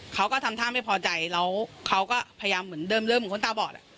เขาก็ทำท่าไม่พอใจแล้วเขาก็พยายามเหมือนเดิมเหมือนคนตาบอด